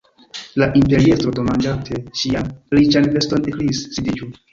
La imperiestro, domaĝante ŝian riĉan veston, ekkriis: "sidiĝu! »